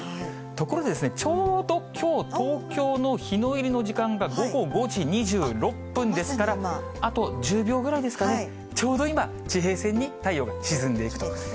ところで、ちょうどきょう、東京の日の入りの時間が午後５時２６分ですから、あと１０秒ぐらいですかね、ちょうど今、地平線に太陽が沈んでいくと。